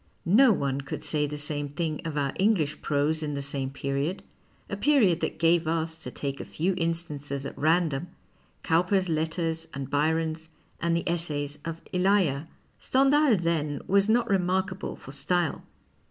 No one could say the same thing of our English prose in the same period — a period that gave us, to take a few instances at random, Cowper's letters and Byron's, and the Essays of Elia. Stendhal, then, was not remarkable for style.